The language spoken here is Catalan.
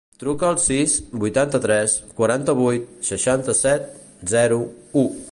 Truca al sis, vuitanta-tres, quaranta-vuit, seixanta-set, zero, u.